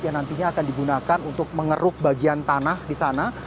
yang nantinya akan digunakan untuk mengeruk bagian tanah di sana